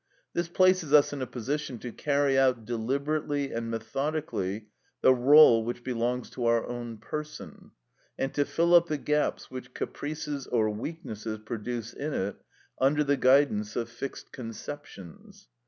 This places us in a position to carry out deliberately and methodically the rôle which belongs to our own person, and to fill up the gaps which caprices or weaknesses produce in it, under the guidance of fixed conceptions.